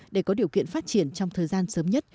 để có điều kiện phát triển trong thời gian sớm nhất